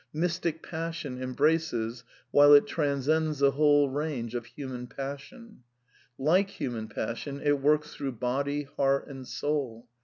Mystic passion embraces while it transcends the whole range of human passion* Like human passion, it works through body, heart and soul.